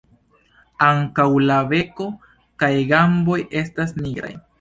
Ankaŭ la beko kaj gamboj estas nigraj.